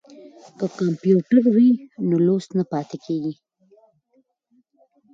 که کمپیوټر وي نو لوست نه پاتې کیږي.